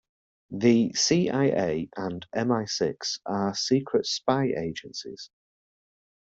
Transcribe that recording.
The CIA and MI-Six are secret spy agencies.